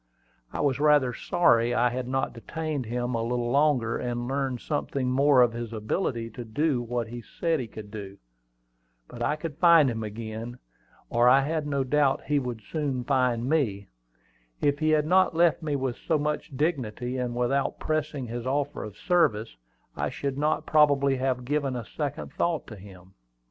I was rather sorry I had not detained him a little longer, and learned something more of his ability to do what he said he could do. But I could find him again; or I had no doubt he would soon find me. If he had not left me with so much dignity, and without pressing his offer of service, I should not probably have given a second thought to him.